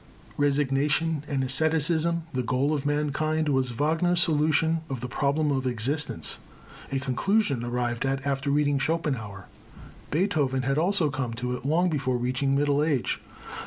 Resignation and asceticism, the goal of mankind, was Wagner's solution of the problem of existence, a conclusion arrived at after reading Schopenhauer. Beethoven had also come to it long before reaching middle age.